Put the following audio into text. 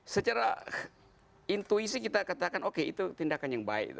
secara intuisi kita katakan oke itu tindakan yang baik